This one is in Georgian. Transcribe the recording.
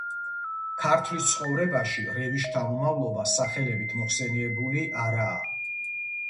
ქართლის ცხოვრებაში რევის შთამომავლობა სახელებით მოხსენიებული არაა.